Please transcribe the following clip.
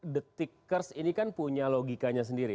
the tickers ini kan punya logikanya sendiri